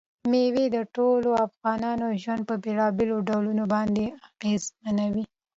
مېوې د ټولو افغانانو ژوند په بېلابېلو ډولونو باندې اغېزمنوي.